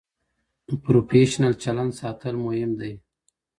پروفیشنل چلند ساتل مهم دی.